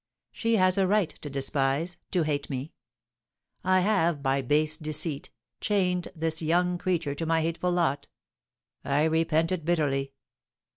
She has a right to despise, to hate me! I have, by base deceit, chained this young creature to my hateful lot! I repent it bitterly.